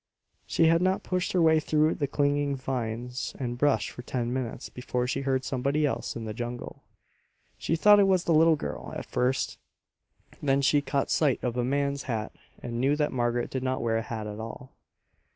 She had not pushed her way through the clinging vines and brush for ten minutes before she heard somebody else in the jungle. She thought it was the little girl, at first; then she caught sight of a man's hat and knew that Margaret did not wear a hat at all.